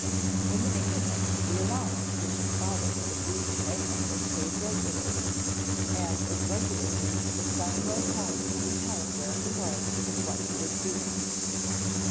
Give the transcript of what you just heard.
In the beginning, the allowance which his father had agreed to make him was paid regularly, and as regularly the son wrote home to tell where he was and what he was doing.